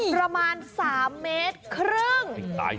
ประมาณ๓เมตรครึ่ง